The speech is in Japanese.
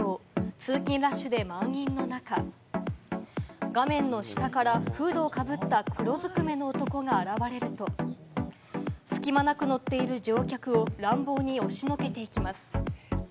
通勤ラッシュで満員の中、画面の下からフードをかぶった黒ずくめの男が現れると、隙間なく乗っている乗客を乱暴に押しのけていきます。